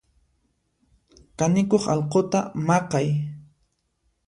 Kanikuq alquta maqay.